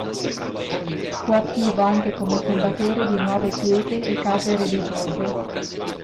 Fu attivo anche come fondatore di nuove chiese e case religiose.